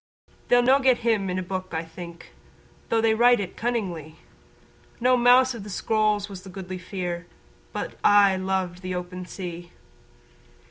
They'ss no' get him a' in a book I think Though they write it cunningly; No mouse of the scrolls was the Goodly Fere But aye loved the open sea.